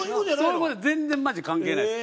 全然マジで関係ないです。